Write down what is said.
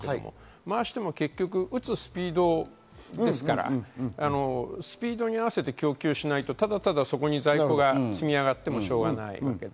回しても打つスピードがですから、スピードに合わせて供給しないと、ただただ在庫が積み上がってもしょうがない。